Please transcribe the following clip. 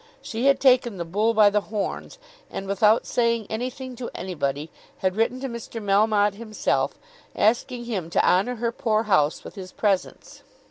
She had taken the bull by the horns, and without saying anything to anybody had written to Mr. Melmotte himself, asking him to honour her poor house with his presence.